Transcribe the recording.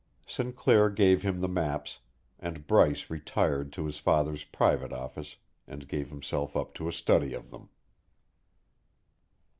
Sinclair gave him the maps, and Bryce retired to his father's private office and gave himself up to a study of them.